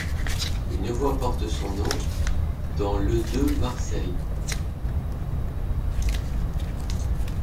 Une voie porte son nom, dans le de Marseille.